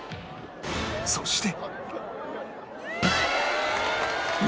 そして